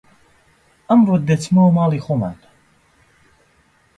ئەمڕۆ دەچمەوە ماڵی خۆمان